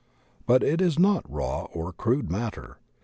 But it is not raw or crude matter.